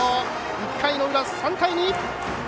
１回の裏、３対２。